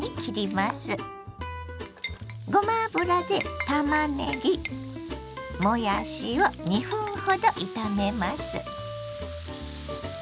ごま油でたまねぎもやしを２分ほど炒めます。